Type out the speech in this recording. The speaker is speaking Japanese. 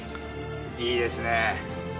いいですね。